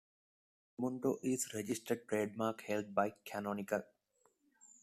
"Kubuntu" is a registered trademark held by Canonical.